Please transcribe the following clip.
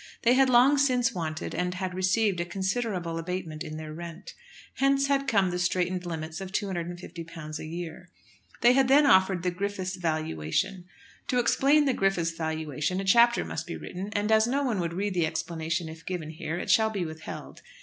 They had long since wanted and had received a considerable abatement in their rent. Hence had come the straitened limits of £250 a year. They had then offered the "Griffith's valuation." To explain the "Griffith's valuation" a chapter must be written, and as no one would read the explanation if given here it shall be withheld.